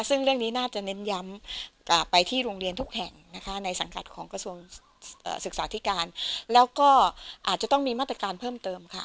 ซึ่งเรื่องนี้น่าจะเน้นย้ำไปที่โรงเรียนทุกแห่งนะคะในสังกัดของกระทรวงศึกษาธิการแล้วก็อาจจะต้องมีมาตรการเพิ่มเติมค่ะ